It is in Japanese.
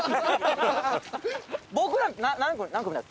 僕ら何組だっけ？